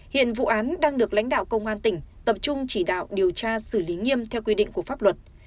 hiện vụ án đang được lãnh đạo công an tỉnh tập trung chỉ đạo điều tra xử lý nghiêm theo quy định của pháp luật